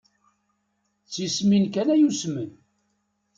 D tismin kan ay usmen.